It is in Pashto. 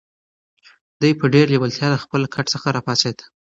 دی په ډېرې لېوالتیا له خپل کټ څخه را پاڅېد.